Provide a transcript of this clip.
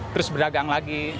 terus berdagang lagi